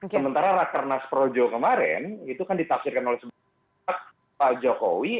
sementara raternas projo kemarin itu kan ditafsirkan oleh sebagian dari pak jokowi